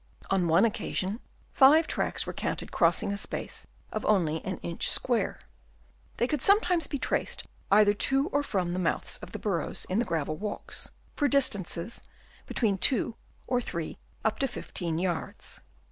On one occasion, fiVe tracks were counted crossing a space of only an inch square. They could sometimes be traced either to or from the mouths of the burrows in the gravel walks, for distances between 2 or 3 up to 15 yards.